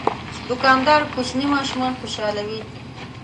دوکاندار کوچني ماشومان خوشحالوي.